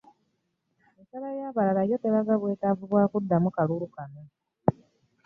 Ensala y'abalala yo teraga bwetaavu bwa kuddamu kalulu kano.